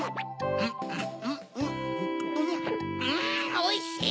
おいしい！